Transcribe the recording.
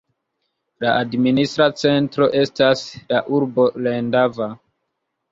La administra centro estas la urbo Lendava.